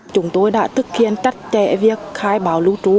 chúng tôi đã thực hiện trách trẻ việc khai bảo lưu trú